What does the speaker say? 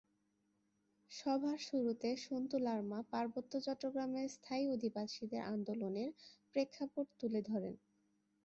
সভার শুরুতে সন্তু লারমা পার্বত্য চট্টগ্রামের স্থায়ী অধিবাসীদের আন্দোলনের প্রেক্ষাপট তুলে ধরেন।